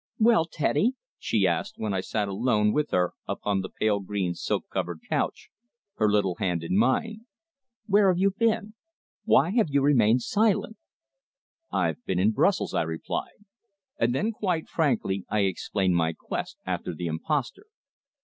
"Well, Teddy," she asked, when I sat alone with her upon the pale green silk covered couch, her little hand in mine, "Where have you been? Why have you remained silent?" "I've been in Brussels," I replied, and then, quite frankly, I explained my quest after the impostor.